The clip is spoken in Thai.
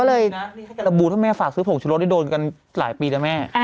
ตรงนี้อันนี้ให้แกลบูทรีกรอเมียฝากซื้อหกชุรสที่โดนกันหลายปีได้ไหม